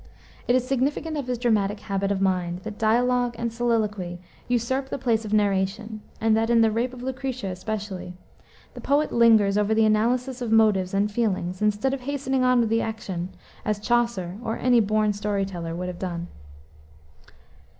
It is significant of his dramatic habit of mind that dialogue and soliloquy usurp the place of narration, and that, in the Rape of Lucrece especially, the poet lingers over the analysis of motives and feelings, instead of hastening on with the action, as Chaucer, or any born story teller, would have done.